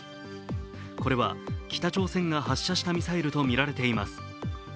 これは北朝鮮が発射したミサイルとみられています。